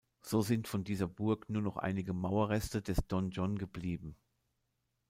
So sind von dieser Burg nur noch einige Mauerreste des Donjon geblieben.